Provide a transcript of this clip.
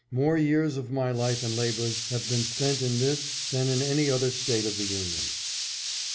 More years of my life and labors have been spent in this than in any other State of the Union.